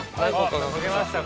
書けましたか？